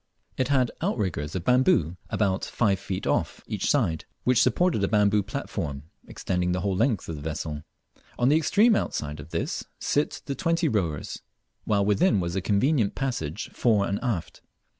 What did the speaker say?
It had outriggers of bamboo about five feet off each side, which supported a bamboo platform extending the whole length of the vessel. On the extreme outside of this sit the twenty rowers, while within was a convenient passage fore and aft.